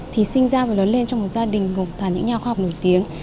thì sinh ra và lớn lên trong một gia đình gồm những nhà khoa học nổi tiếng